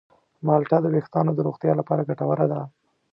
مالټه د ویښتانو د روغتیا لپاره ګټوره ده.